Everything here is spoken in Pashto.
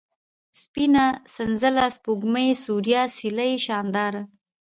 سپينه ، سنځله ، سپوږمۍ ، سوریا ، سېلۍ ، شانداره